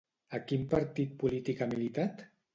A quin partit polític ha militat?